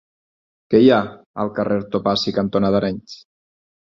Què hi ha al carrer Topazi cantonada Arenys?